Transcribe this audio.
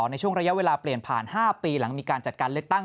ในช่วงระยะเวลาเปลี่ยนผ่าน๕ปีหลังมีการจัดการเลือกตั้ง